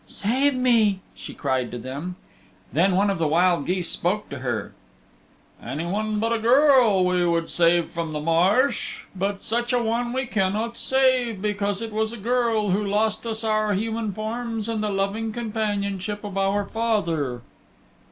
"Save me," she cried to them. Then one of the wild geese spoke to her. "Anyone but a girl we would save from the marsh, but such a one we cannot save, because it was a girl who lost us our human forms and the loving companionship of our father."